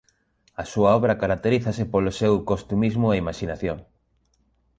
A súa obra caracterízase polo seu costumismo e imaxinación.